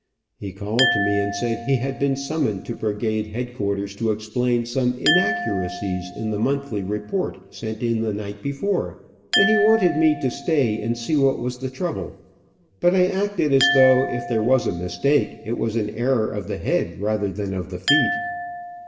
He called to me and said he had been summoned to brigade headquarters to explain some inaccuracies in the monthly report sent in the night before, and he wanted me to stay and see what was the trouble, but I acted as though if there was a mistake, it was an error of the head rather than of the feet.